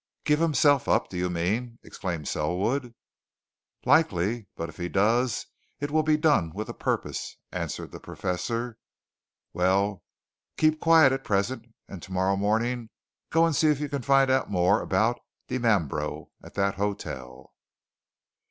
"Give himself up, do you mean?" exclaimed Selwood. "Likely but if he does, it'll be done with a purpose," answered the Professor. "Well keep all quiet at present, and tomorrow morning, go and see if you can find out more about Dimambro at that hotel."